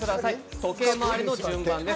時計回りの順番です。